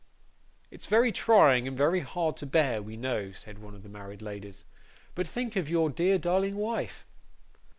'It's very trying, and very hard to bear, we know,' said one of the married ladies; 'but think of your dear darling wife.